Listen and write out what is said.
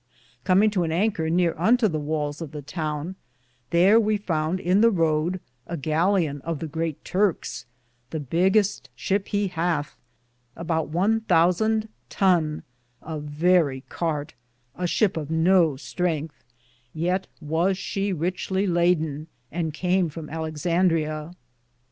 Cominge to an ankere neare unto the wales of the towne, thare we founde in the Roode a gallioune of the great Turkes, the bigeste ship he hathe, aboute one thousand tun, a verrie carte, a ship of no strengthe ; yeat was she Richly laden, and cam from Alicksandria.